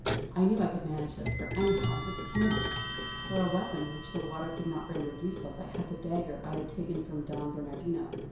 I knew I could manage this, for anyhow I could swim; for a weapon which the water could not render useless I had the dagger I had taken from Don Bernardino.